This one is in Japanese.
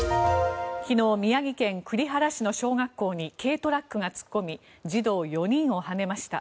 昨日、宮城県栗原市の小学校に軽トラックが突っ込み児童４人をはねました。